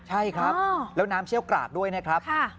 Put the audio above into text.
ใช่ครับแล้วน้ำเชี่ยวกราดด้วยนะครับ